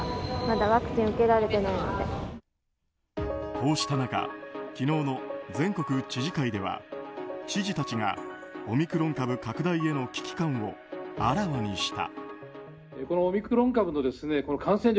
こうした中昨日の全国知事会では知事たちがオミクロン株拡大への危機感をあらわにした。